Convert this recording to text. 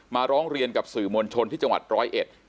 ร้องเรียนกับสื่อมวลชนที่จังหวัดร้อยเอ็ด